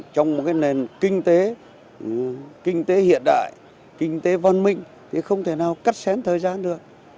trong một cái nền kinh tế kinh tế hiện đại kinh tế văn minh thì không thể nào cắt sén thời gian được